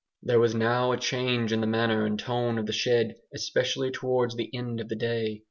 There was now a change in the manner and tone of the shed, especially towards the end of the day.